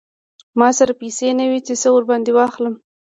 ما سره پیسې نه وې چې څه ور باندې واخلم.